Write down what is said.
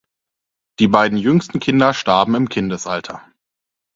Die beiden jüngsten Kinder starben im Kindesalter.